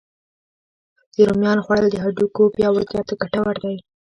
د رومیانو خوړل د هډوکو پیاوړتیا ته ګتور دی